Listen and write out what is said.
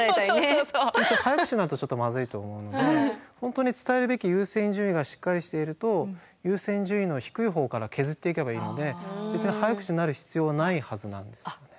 早口になるとちょっとまずいと思うので本当に伝えるべき優先順位がしっかりしていると優先順位の低い方から削っていけばいいので早口になる必要はないはずなんですね。